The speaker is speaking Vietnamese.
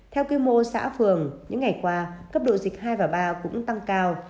theo quy mô xã phường những ngày qua cấp độ dịch hai và ba cũng tăng cao